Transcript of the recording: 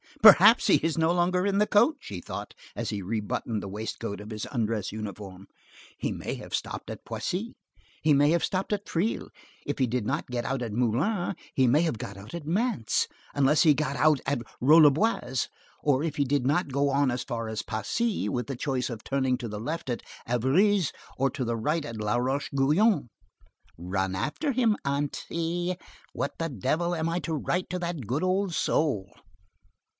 "Perhaps he is no longer in the coach," he thought, as he rebuttoned the waistcoat of his undress uniform. "He may have stopped at Poissy; he may have stopped at Triel; if he did not get out at Meulan, he may have got out at Mantes, unless he got out at Rolleboise, or if he did not go on as far as Pacy, with the choice of turning to the left at Évreus, or to the right at Laroche Guyon. Run after him, aunty. What the devil am I to write to that good old soul?"